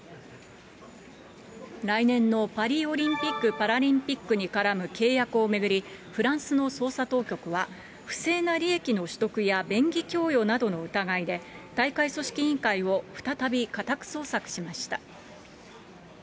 来年のパリオリンピック・パラリンピックに絡む契約を巡り、フランスの捜査当局は、不正な利益の取得や便宜供与などの疑いで、大会組織委員会を再び家宅捜索しました。